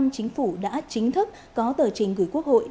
chính phủ đã chính thức có tờ trình gửi quốc hội